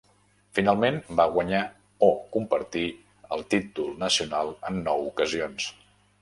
Finalment va guanyar o compartir el títol nacional en nou ocasions.